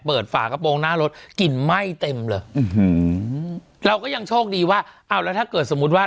ฝากระโปรงหน้ารถกลิ่นไหม้เต็มเลยเราก็ยังโชคดีว่าอ้าวแล้วถ้าเกิดสมมุติว่า